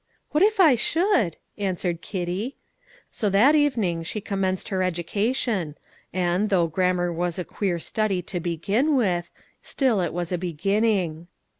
"What if I should?" answered Kitty. So that evening she commenced her education, and, though grammar was a queer study to begin with, still it was a beginning.